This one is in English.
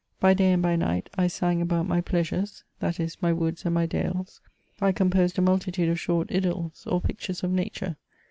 By day and by night, I sang about my pleasures ; that is, my woods and my dales. I composed a multitude of short idylls, or pictures of nature.